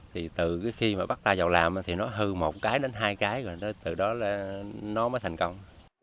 thì từ khi mà bắt ta vào làm thì nó hư một cái đến hai cái rồi từ đó nó mới thành công